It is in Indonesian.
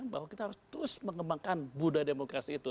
bahwa kita harus terus mengembangkan budaya demokrasi itu